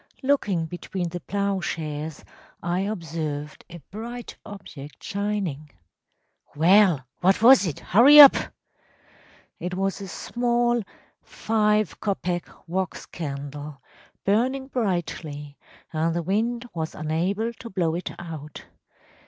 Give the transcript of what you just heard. Looking between the ploughshares, I observed a bright object shining.‚ÄĚ “Well, what was it? Hurry up!‚ÄĚ “It was a small, five kopeck wax candle, burning brightly, and the wind was unable to blow it out.